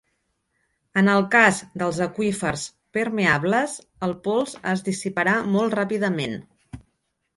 En el cas dels aqüífers permeables, el pols es dissiparà molt ràpidament.